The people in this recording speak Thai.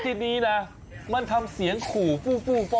ดีมัดีละเขามันทำเสียงขูฟูฟ่อด้วย